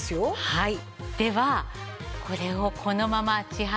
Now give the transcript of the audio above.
はい！